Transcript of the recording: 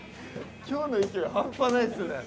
今日の勢いハンパないっすね。